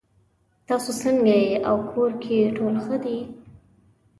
تاسو څنګه یې او کور کې ټول ښه دي